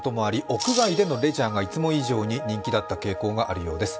屋外でのレジャーがいつも以上に人気だった傾向があるようです。